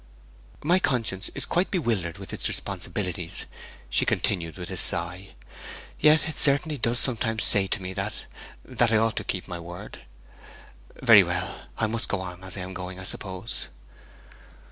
'My conscience is quite bewildered with its responsibilities,' she continued, with a sigh. 'Yet it certainly does sometimes say to me that that I ought to keep my word. Very well; I must go on as I am going, I suppose.'